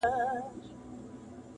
• چي دولت لري صاحب د لوړ مقام دي,